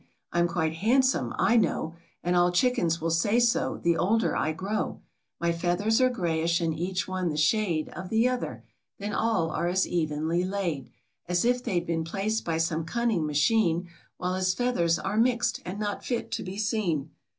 I'm quite handsome, I know; And all chickens will say so, the older I grow. My feathers are greyish, and each one the shade Of the other. Then all are as evenly laid As if they'd been placed by some cunning machine ; While his feathers are mixed, and not fit to be seen."